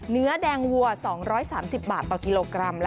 เนื้อแดงวัว๒๓๐บาทต่อกิโลกรัม